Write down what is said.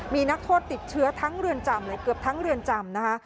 มีนักโทษติดเชื้อเลยเกือบทั้งเรือนจำนะคะ